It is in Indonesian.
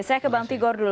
saya ke bang tigor dulu